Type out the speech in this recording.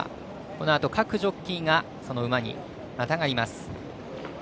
このあと各ジョッキーがその馬にまたがります。